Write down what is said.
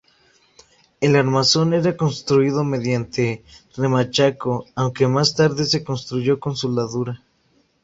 El armazón era construido mediante remachado, aunque más tarde se construyó con soldadura.